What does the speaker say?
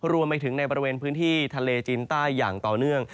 รวมไปถึงในบริเวณพื้นที่ทะเลจีนใต้อย่างต่อเนื่อง